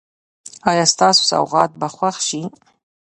ایا ستاسو سوغات به خوښ شي؟